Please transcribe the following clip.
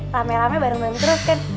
rame rame bareng bareng terus kan